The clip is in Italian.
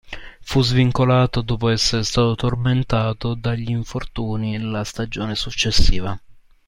Fu svincolato dopo essere stato tormentato dagli infortuni la stagione successiva.